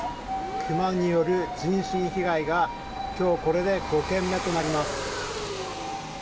クマによる人身被害が今日これで５件目となります。